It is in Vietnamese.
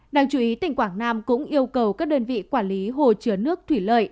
đảng chủ ý tỉnh quảng nam cũng yêu cầu các đơn vị quản lý hồ chứa nước thủy lợi